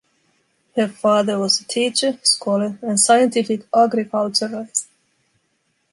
Her father was a teacher, scholar, and scientific agriculturalist.